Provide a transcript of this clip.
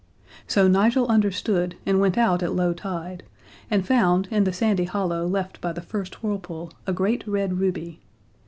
So Nigel understood and went out at low tide, and found in the sandy hollow left by the first whirlpool a great red ruby.